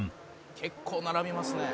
「結構並びますね」